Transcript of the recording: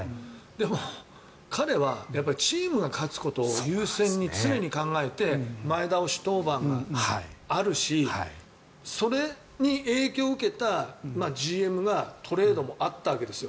でも、彼はチームが勝つことを優先に常に考えて、前倒し登板があるしそれに影響を受けたＧＭがトレードもあったわけですよ。